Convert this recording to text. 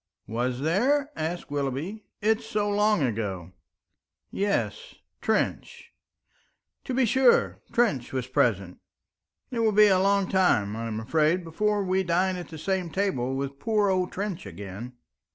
"Was there?" asked Willoughby. "It's so long ago." "Yes Trench." "To be sure, Trench was present. It will be a long time, I am afraid, before we dine at the same table with poor old Trench again."